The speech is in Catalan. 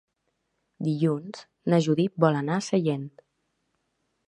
Dilluns na Judit vol anar a Sellent.